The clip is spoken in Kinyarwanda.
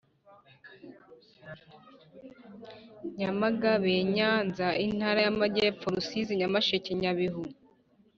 Nyamagabe Nyanza Intara y Amajyepfo Rusizi Nyamasheke Nyabihu